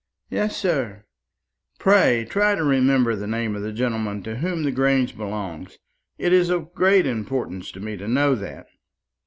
"Yes, sir." "Pray try to remember the name of the gentleman to whom the Grange belongs. It is of great importance to me to know that."